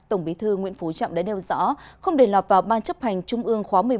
tổng bí thư nguyễn phú trọng đã nêu rõ không để lọt vào ban chấp hành trung ương khóa một mươi một